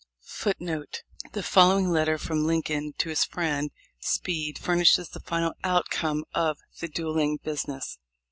* The following letter from Lincoln to his friend Speed fur nishes the final outcome of the "duelling business."